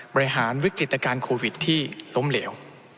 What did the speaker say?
บริหารวิกฤตการณ์โควิดที่ล้มเหลว